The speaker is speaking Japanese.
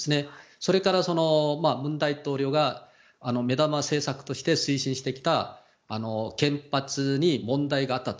それから、文大統領が目玉政策として推進してきた原発に問題があったと。